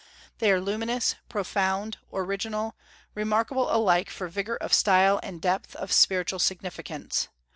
They are luminous, profound, original, remarkable alike for vigor of style and depth of spiritual significance.